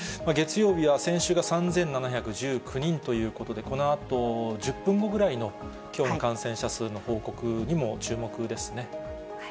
月曜日は、先週が３７１９人ということで、このあと１０分後ぐらいの、きょうの感染者数の報告にも注目ですね。